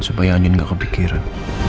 supaya andien gak kepikiran